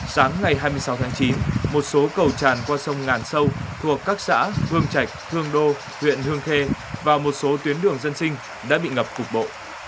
sáng ngày hai mươi sáu tháng chín một số cầu tràn qua sông ngàn sâu thuộc các xã hương trạch hương đô huyện hương khê và một số tuyến đường dân sinh đã bị ngập cục bộ